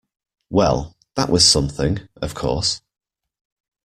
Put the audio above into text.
Well, that was something, of course.